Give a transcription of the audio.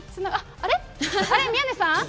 あれ、宮根さん？